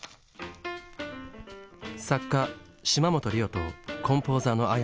作家・島本理生とコンポーザーのＡｙａｓｅ。